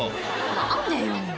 何でよ。